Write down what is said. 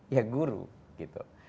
ya guru gitu